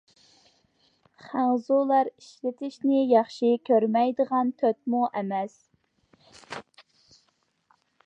خەنزۇلار ئىشلىتىشنى ياخشى كۆرمەيدىغان تۆتمۇ ئەمەس.